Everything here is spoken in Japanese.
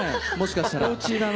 もしかしたら。